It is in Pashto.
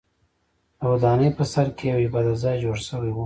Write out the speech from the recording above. د ودانۍ په سر کې یو عبادت ځای جوړ شوی و.